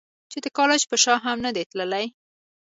چې د کالج پۀ شا هم نۀ دي تلي -